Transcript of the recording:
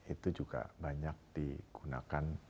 itu juga banyak digunakan